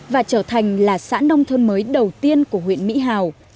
và trở thành là xã nông thôn mới đầu tiên của huyện mỹ hào